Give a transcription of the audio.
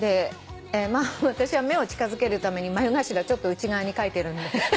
まあ私は目を近づけるために眉頭ちょっと内側に描いてるんで。